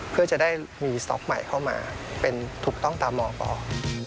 เพื่อจะได้มีสต๊อกใหม่เข้ามาเป็นถูกต้องตามหมอบอก